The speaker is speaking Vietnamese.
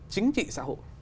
chính trị xã hội